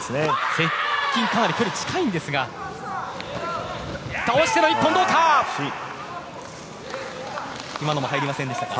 接近かなり距離が近いんですが倒しての１本どうか。